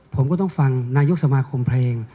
ผมก็ต้องฟังนายกสมาคมเพลง